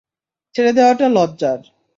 ছেড়ে দেওয়াটা লজ্জার।